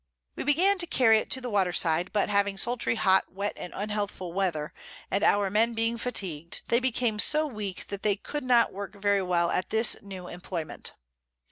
We began to carry it to the Water side; but having sultry hot, wet and unhealthful Weather, and our Men being fatigued, they became so weak that they could not work very well at this new Imployment.